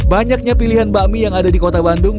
banyaknya pilihan bakmi yang ada di kota bandung